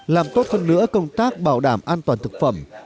làm tốt hơn nữa công tác bảo đảm an toàn thực phẩm